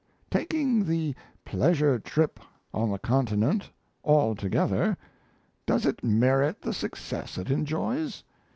"Taking the Pleasure Trip on the Continent altogether, does it merit the success it enjoys?